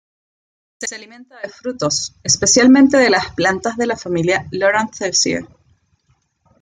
Se alimenta de frutos, especialmente de plantas de la familia Loranthaceae.